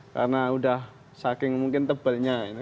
karena udah saking mungkin tebelnya ini